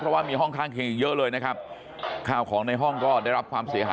เพราะว่ามีห้องข้างเคียงเยอะเลยนะครับข้าวของในห้องก็ได้รับความเสียหาย